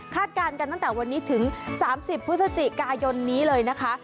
การกันตั้งแต่วันนี้ถึง๓๐พฤศจิกายนนี้เลยนะคะ